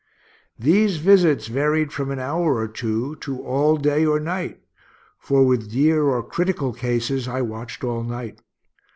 These visits varied from an hour or two, to all day or night; for with dear or critical cases I watched all night.